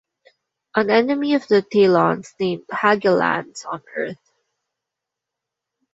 An enemy of the Taelons named Ha'gel lands on Earth.